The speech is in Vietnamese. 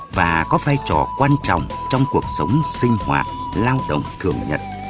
và có vai trò quan trọng trong cuộc sống sinh hoạt lao động thường nhật